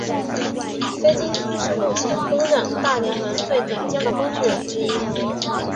菲金斯是目前公认大联盟最顶尖的工具人之一。